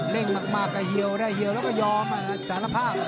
เล่นบรรคมากก็เหี่ยวได้หยอมงันบรรคด้วย